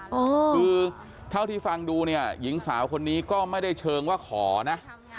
คือเท่าที่ฟังดูเนี่ยหญิงสาวคนนี้ก็ไม่ได้เชิงว่าขอนะ